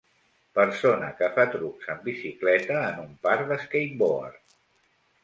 Persona que fa trucs amb bicicleta en un parc de skateboard.